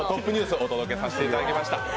お届けさせていただきました。